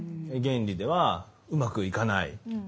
原理ではうまくいかない。